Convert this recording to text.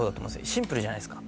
シンプルじゃないっすか。